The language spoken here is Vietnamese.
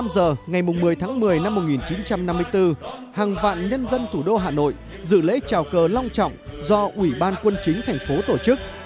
một mươi năm giờ ngày một mươi tháng một mươi năm một nghìn chín trăm năm mươi bốn hàng vạn nhân dân thủ đô hà nội dự lễ trào cờ long trọng do ủy ban quân chính thành phố tổ chức